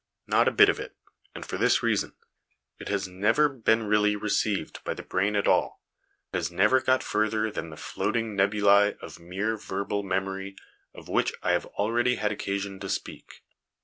Not a bit of it ; and for this reason it has never been really received by the brain at all; has never got further than the floating nebulae of mere verbal memory of which I have already had occasion to speak.